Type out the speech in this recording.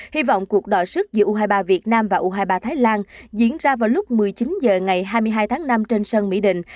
hy vọng cuộc đò sức giữa u hai mươi ba việt nam và u hai mươi ba thái lan diễn ra vào lúc một mươi chín h ngày hai mươi hai tháng năm trên sân mỹ định